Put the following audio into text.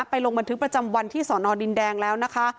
ลงบันทึกประจำวันที่สอนอดินแดงแล้วนะคะ